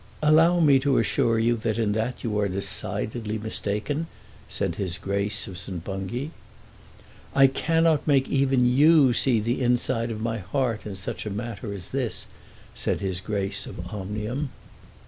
"Allow me to assure you that in that you are decidedly mistaken," said his Grace of St. Bungay. "I cannot make even you see the inside of my heart in such a matter as this," said his Grace of Omnium.